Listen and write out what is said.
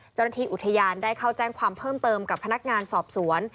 เจ้าหน้าที่อุทยานได้เข้าแจ้งความเพิ่มเติมกับพนักงานสอบสวน